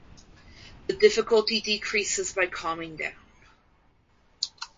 The difficulty decreases by calming down.